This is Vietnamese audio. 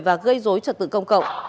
và gây dối trật tự công cộng